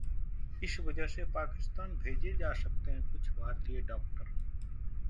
इस वजह से पाकिस्तान भेजे जा सकते हैं कुछ भारतीय डॉक्टर